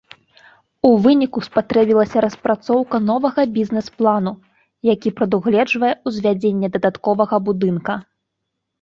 У выніку спатрэбілася распрацоўка новага бізнэс-плану, які прадугледжвае ўзвядзенне дадатковага будынка.